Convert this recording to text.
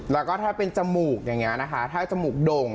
แล้วก็ถ้าเป็นจมูกอย่างนี้นะคะถ้าจมูกโด่ง